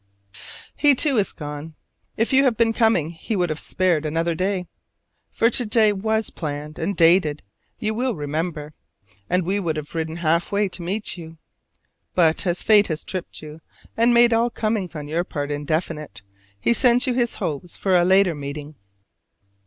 He, too, is gone. If you had been coming he would have spared another day for to day was planned and dated, you will remember and we would have ridden halfway to meet you. But, as fate has tripped you, and made all comings on your part indefinite, he sends you his hopes for a later meeting.